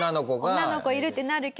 女の子いるってなるけど。